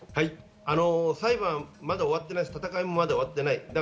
裁判、まだ終わっていないし、闘いもまだ終わっていない。